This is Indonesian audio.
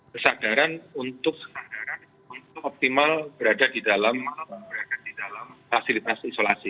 kesadaran untuk optimal berada di dalam fasilitas isolasi